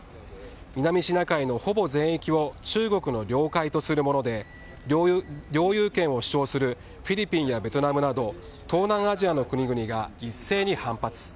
南シナ海のほぼ全域を中国の領海とするもので領有権を主張するフィリピンやベトナムなど東南アジアの国々が一斉に反発。